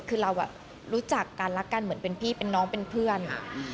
คือเรารู้จักกันรักกันเหมือนเป็นพี่เป็นน้องเป็นเพื่อน